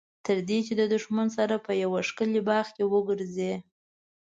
تر دې چې د دښمن سره په یوه ښکلي باغ کې وګرځي.